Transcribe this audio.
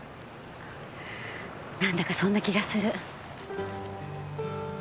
なんだかそんな気がする。